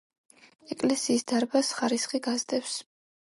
ეკლესიის დარბაზს ხარისხი გასდევს.